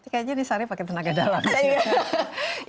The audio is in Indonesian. kayaknya nih saranya pakai tenaga dalam sih